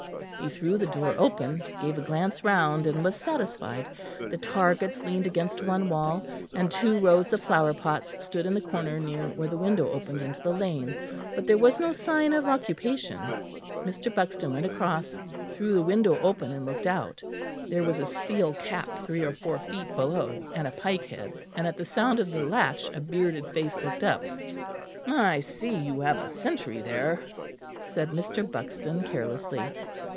He threw the door open, gave a glance round, and was satisfied. The targets leaned against one wall, and two rows of flower pots stood in the corner near where the window opened into the lane, but there was no sign of occupation. Mr. Buxton went across, threw the window open and looked out. There was a steel cap three or four feet below, and a pike head; and at the sound of the latch a bearded face looked up. "I see you have a sentry there," said Mr. Buxton carelessly.